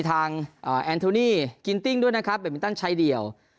แอนโทนี่กินติ้งด้วยนะครับแบบมินตันชายเดี่ยว